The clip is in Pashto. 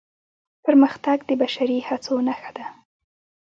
پرمختګ د بشري هڅو نښه ده.